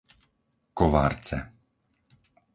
Kovarce